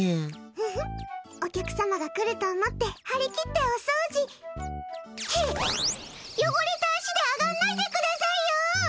ふふ、お客様が来ると思って張り切ってお掃除って、汚れた足で上がんないでくださいよ！